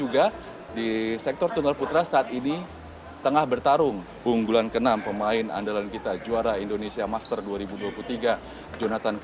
kedesis pertama produksi jailing dan energycellent olympics maarah indonesia bernama keunggulan ke enam